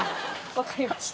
分かりました。